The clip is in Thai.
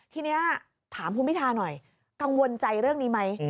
ทีนี้ถามคุณพิทาหน่อยกังวลใจเรื่องนี้ไหม